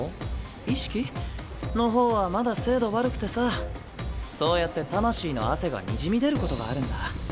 意識？の方はまだ精度悪くてさそうやって魂の汗がにじみ出ることがあるんだ。